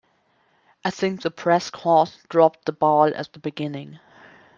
I think the press corps dropped the ball at the beginning.